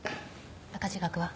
赤字額は？